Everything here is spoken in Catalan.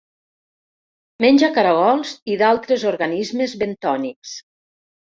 Menja caragols i d'altres organismes bentònics.